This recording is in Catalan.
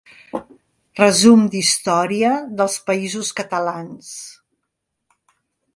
Resum d'Història dels països catalans.